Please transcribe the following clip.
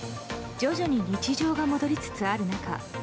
徐々に日常が戻りつつある中